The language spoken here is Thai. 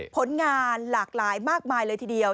ผลงานหลากหลายมากมายเลยทีเดียว